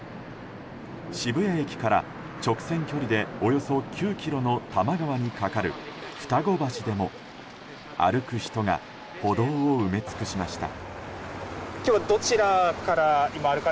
渋谷駅から直線距離でおよそ９ｋｍの多摩川に架かる二子橋でも、歩く人が歩道を埋め尽くしました。